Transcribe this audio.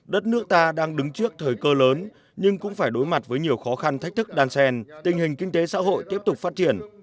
đất nước ta đang đứng trước thời cơ lớn nhưng cũng phải đối mặt với nhiều khó khăn thách thức đàn sen tình hình kinh tế xã hội tiếp tục phát triển